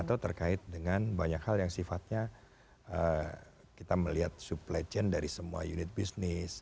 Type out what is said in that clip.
atau terkait dengan banyak hal yang sifatnya kita melihat supply chain dari semua unit bisnis